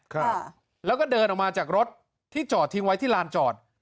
ครับแล้วก็เดินออกมาจากรถที่จอดทิ้งไว้ที่ลานจอด